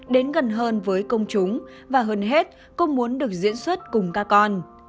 đến gần hơn với công chúng và hơn hết cô muốn được diễn xuất cùng các con